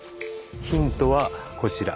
ヒントはこちら。